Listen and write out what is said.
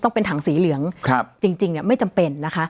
ต้องเป็นถังสีเหลืองครับจริงจริงเนี้ยไม่จำเป็นนะคะ